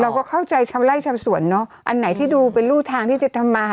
เราก็เข้าใจล่ายส่วนอันไหนที่ดูเป็นลูกทางที่จะทำมา